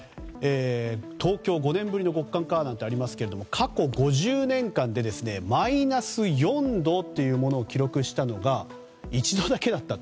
東京、５年ぶりの極寒かなんてありますが過去５０年間でマイナス４度というものを記録したのが一度だけだったと。